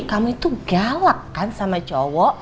kamu itu galak kan sama cowok